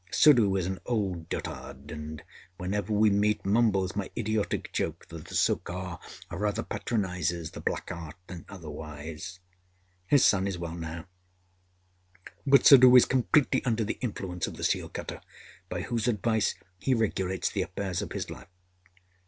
Suddhoo is an old dotard; and whenever we meet mumbles my idiotic joke that the Sirkar rather patronizes the Black Art than otherwise. His son is well now; but Suddhoo is completely under the influence of the seal cutter, by whose advice he regulates the affairs of his life.